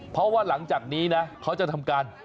เพราะว่าหลังจากนี้นะเขาจะทำการ